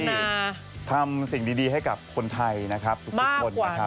ที่ทำสิ่งดีให้กับคนไทยนะครับทุกคนนะครับ